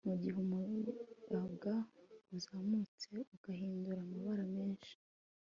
mugihe umuyaga uzamutse, ugahindura amabara menshi